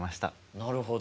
なるほど。